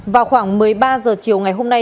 vào khoảng một mươi ba h chiều ngày hôm nay